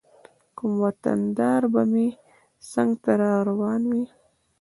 کوم وطن دار به مې څنګ ته روان و.